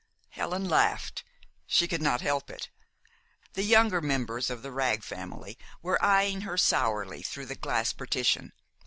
Helen laughed. She could not help it. The younger members of the Wragg family were eying her sourly through the glass partition.